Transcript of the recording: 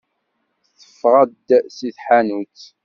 Teffeɣ-d seg tḥanut.